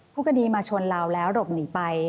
ผู้คดีมาชนเราแล้วหลบหนีไป